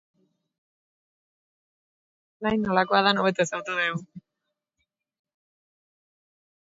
Bere lanaz hitz egiteaz gain, nolakoa den hobeto ezagutu dugu.